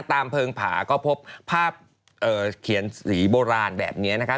เพลิงผาก็พบภาพเขียนสีโบราณแบบนี้นะคะ